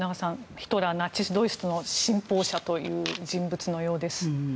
ヒトラー、ナチス・ドイツの信奉者という人物のようです。